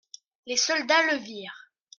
Les soldats le virent.